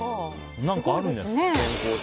何かあるんじゃないですか。